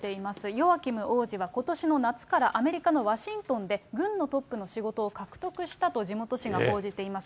ヨアキム王子は、ことしの夏からアメリカのワシントンで軍のトップの仕事を獲得したと地元紙が報じています。